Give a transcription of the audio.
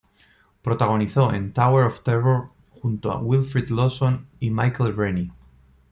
Protagonizó en "Tower of Terror" junto a Wilfrid Lawson y Michael Rennie.